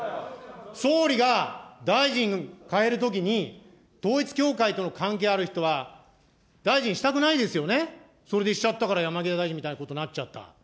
総理が大臣代えるときに、統一教会との関係がある人は、大臣したくないですよね、それにしちゃったから、山際大臣みたいなことになっちゃった。